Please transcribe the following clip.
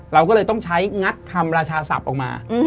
เราก็เลยต้องใช้งัดคำราชาศัพท์ออกมา